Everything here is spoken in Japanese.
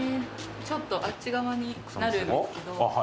ちょっとあっち側になるんですけど。